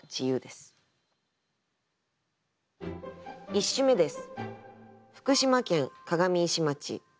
１首目です。